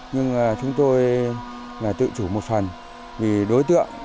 nhưng chúng tôi là tự chủ một phần vì đối tượng